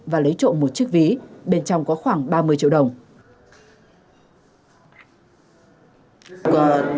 và lấy trộm một chiếc ví bên trong có khoảng ba mươi triệu đồng